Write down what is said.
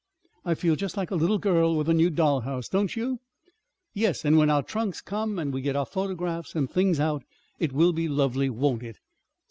I feel just like a little girl with a new doll house, don't you?" "Yes; and when our trunks come, and we get our photographs and things out, it will be lovely, won't it?"